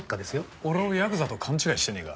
俺をヤクザと勘違いしてねえか？